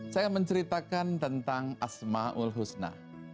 saya menceritakan tentang asma'ul husna